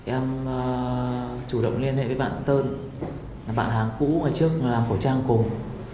em chủ động liên hệ với bạn sơn bạn hàng cũ ngay trước làm khẩu trang cùng